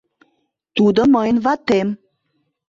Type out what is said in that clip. Тудо мыйын ватем.